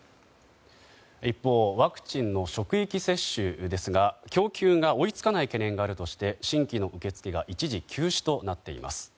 一方、ワクチンの職域接種ですが供給が追い付かない懸念があるとして新規の受け付けが一時休止となっています。